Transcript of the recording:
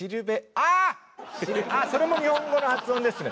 ああそれも日本語の発音ですね。